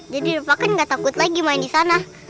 jadi rafa kan gak takut lagi main di sana